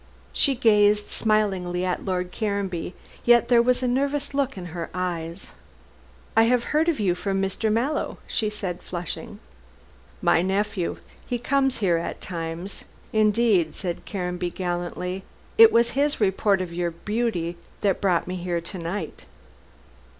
She gazed smilingly at Lord Caranby, yet there was a nervous look in her eyes. "I have heard of you from Mr. Mallow," she said flushing. "My nephew. He comes here at times. Indeed," said Caranby gallantly, "it was his report of your beauty that brought me here to night."